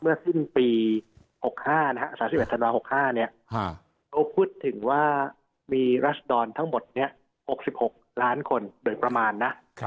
เมื่อขึ้นปี๓๘๖๕ก็พูดถึงว่ามีรัฐดรรมทั้งหมด๖๖ล้านคนโดยประมาณนะ